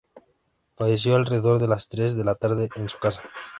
Falleció alrededor de las tres de la tarde en su casa.